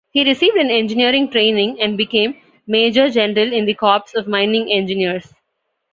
He received an engineering training and became major-general in the corps of Mining Engineers.